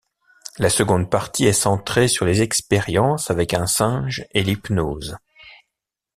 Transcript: La seconde partie est centrée sur les expériences avec un singe et l'hypnose.